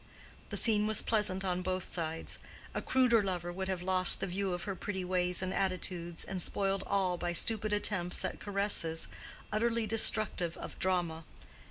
The scene was pleasant on both sides. A cruder lover would have lost the view of her pretty ways and attitudes, and spoiled all by stupid attempts at caresses, utterly destructive of drama.